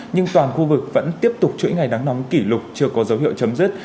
nhưng toàn khu vực vẫn tiếp tục chuỗi ngày nắng nóng kỷ lục chưa có dấu hiệu chấm dứt